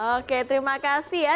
oke terima kasih ya